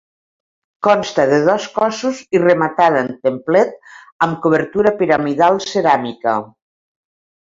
Consta de dos cossos i rematada en templet amb coberta piramidal ceràmica.